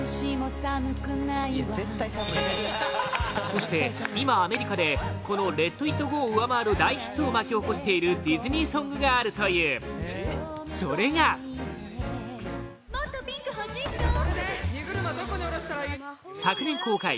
そして今、アメリカでこの「ＬｅｔＩｔＧｏ」を上回る大ヒットを巻き起こしているディズニーソングがあるというそれが昨年公開